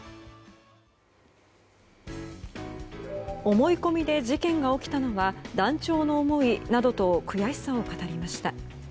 思い込みで事件が起きたのは断腸の思いなどと悔しさを語りました。